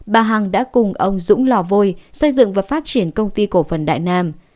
bà hằng đã cùng ông dũng lò vôi xây dựng và phát triển công ty cổ phần đại nam